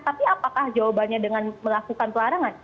tapi apakah jawabannya dengan melakukan pelarangan